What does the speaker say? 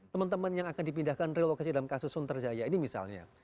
teman teman yang akan dipindahkan relokasi dalam kasus sunterjaya ini misalnya